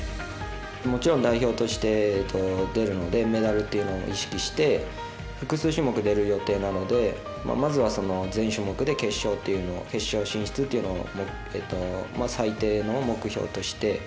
もちろん代表として出るのでメダルというのを意識して複数種目、出る予定なのでまずは全種目で決勝進出というのを最低の目標として。